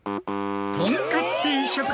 とんかつ？